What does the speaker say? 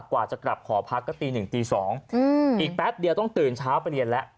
กว่าจะกลับหอพักก็ตีหนึ่งตี๒อีกแป๊บเดียวต้องตื่นเช้าไปเรียนแล้ว